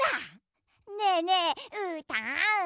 ねえねえうーたん！